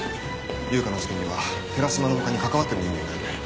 悠香の事件には寺島の他に関わってる人間がいる。